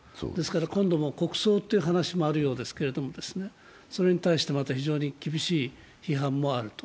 今度も国葬という話もあるようですけれども、それに対して非常に厳しい批判もあると。